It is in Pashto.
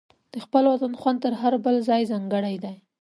د خپل وطن خوند تر هر بل ځای ځانګړی دی.